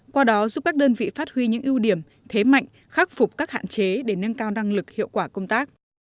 qua đó giúp các đơn vị phát huy những ưu điểm thế mạnh khắc phục các hạn chế để nâng cao năng lực hiệu quả công tác